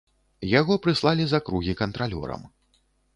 Яго прыслалі з акругі кантралёрам.